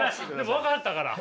分かったから。